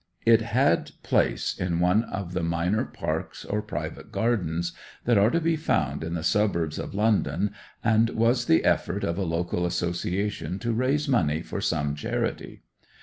It had place in one of the minor parks or private gardens that are to be found in the suburbs of London, and was the effort of a local association to raise money for some charity.